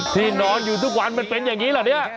นอนอยู่ทุกวันมันเป็นอย่างนี้เหรอเนี่ย